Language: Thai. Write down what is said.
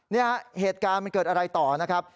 เนี่ยเหตุการณ์มันเกิดอะไรต่อนะครับ